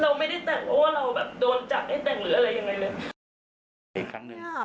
เราไม่ได้แต่งเพราะว่าเราแบบโดนจับได้แต่งหรืออะไรยังไงเลยครั้งหนึ่ง